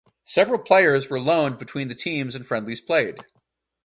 Several players were loaned between the teams and friendlies played.